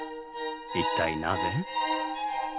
一体なぜ？